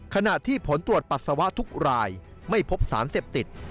ขณะที่ผลตรวจปัสสาวะทุกรายไม่พบสารเสพติด